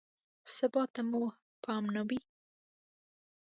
ثبات ته مو پام نه وي.